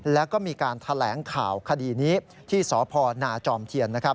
แล้วก็มีการแถลงข่าวคดีนี้ที่สพนาจอมเทียน